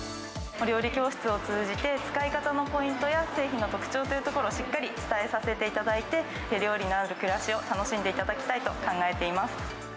お料理教室を通じて、使い方のポイントや製品の特徴というところを、しっかり伝えさせていただいて、手料理のある暮らしを楽しんでいただきたいと考え